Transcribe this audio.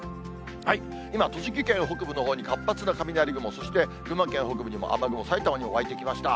今、栃木県北部のほうに活発な雷雲、そして群馬県北部にも雨雲、埼玉にも湧いてきました。